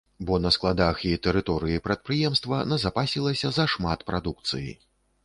Бо на складах і тэрыторыі прадпрыемства назапасілася зашмат прадукцыі.